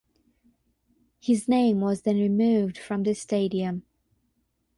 His name was then removed from the stadium.